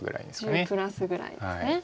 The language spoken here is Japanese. １０プラスぐらいですね。